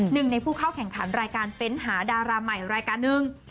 หนึ่งในผู้เข้าแข่งขันรายการเฟ้นหาดาราใหม่รายการหนึ่ง